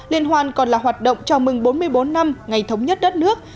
liên hoan còn là hoạt động chào mừng bốn mươi bốn năm ngày thống nhất đất nước